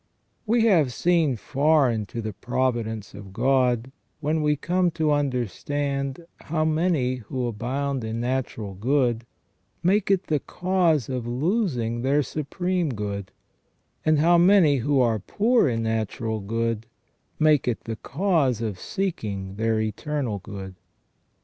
" We have seen far into the providence of God when we come to understand how many who abound in natural good make it the cause of losing their Supreme Good, and how many who are poor in natural good make it the cause of seeking their Eternal Good.